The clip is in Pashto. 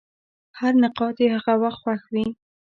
هر نقاد یې هغه وخت خوښ وي.